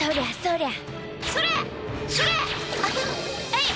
えい！